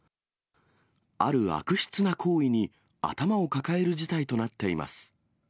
ある悪質な行為に頭を抱える事態となっています。